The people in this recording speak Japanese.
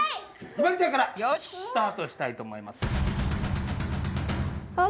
ひまりちゃんからスタートしたいと思います！